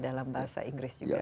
dalam bahasa inggris juga